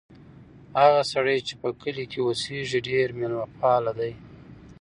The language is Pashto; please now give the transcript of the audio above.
هغه سړی چې په کلي کې اوسیږي ډېر مېلمه پال دی.